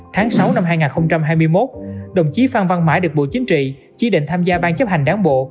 tháng sáu năm hai nghìn hai mươi một đồng chí phan văn mãi được bộ chính trị chỉ định tham gia ban chấp hành đảng bộ